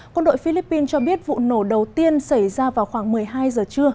quân đội philippines cho biết vụ nổ đầu tiên xảy ra vào khoảng một mươi hai giờ trưa